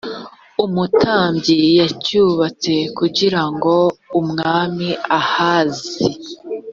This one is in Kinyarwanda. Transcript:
umutambyi yacyubatse kugira ngo umwami ahazi